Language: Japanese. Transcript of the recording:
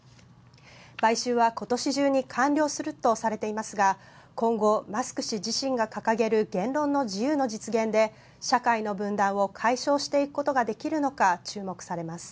買収はことし中に完了するとされていますが今後マスク氏自身が掲げる言論の自由の実現で社会の分断を解消していくことができるのか注目されます。